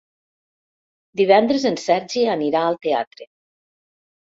Divendres en Sergi anirà al teatre.